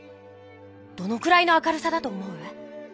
どのくらいの明るさだと思う？